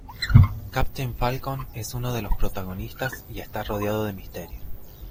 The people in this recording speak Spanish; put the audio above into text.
Captain Falcon es uno de los protagonistas, y está rodeado de misterio.